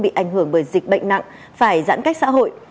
bị ảnh hưởng bởi dịch bệnh nặng phải giãn cách xã hội